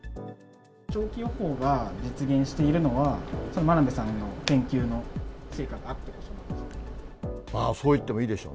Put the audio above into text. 長期予報が実現しているのは、真鍋さんの研究の成果があってこそなんですか。